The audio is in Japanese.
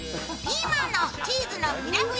ピーマンのチーズのピラフ